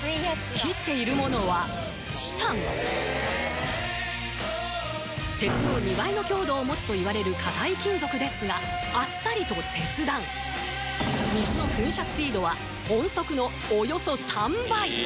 切っているものは鉄の２倍の強度を持つといわれる硬い金属ですがあっさりと切断水の噴射スピードは音速のおよそ３倍！